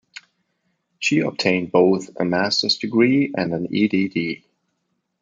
She obtained both a master's degree and an Ed.D.